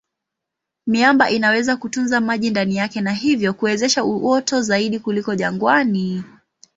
Miamba inaweza kutunza maji ndani yake na hivyo kuwezesha uoto zaidi kuliko jangwani.